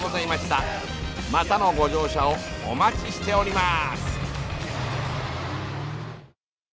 またのご乗車をお待ちしております」。